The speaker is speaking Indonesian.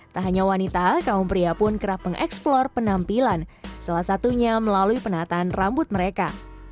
tak hanya wanita kaum pria pun kerap mengeksplor penampilan salah satunya melalui penataan rambut mereka